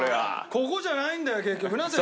ここじゃないんだよ結局。なあ？